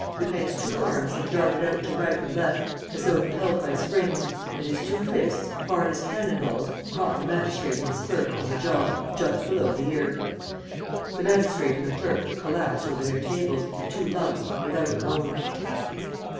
... Lupin's two arms had darted out to right and left, as though impelled by springs and his two fists, hard as cannon balls, caught the magistrate and his clerk on the jaw, just below the ear. The magistrate and the clerk collapsed over their tables, in two lumps, without a moan.